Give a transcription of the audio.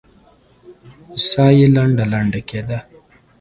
ساه يې لنډه لنډه کېده.